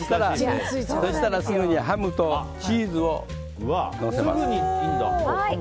そうしたらすぐにハムとチーズをかぶせます。